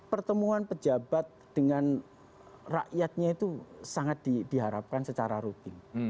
pertemuan pejabat dengan rakyatnya itu sangat diharapkan secara rutin